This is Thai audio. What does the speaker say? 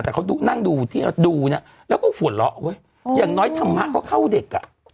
แต่เขานั่งดูที่ดูเนี่ยแล้วก็หัวเราะเว้ยอย่างน้อยธรรมะก็เข้าเด็กอ่ะ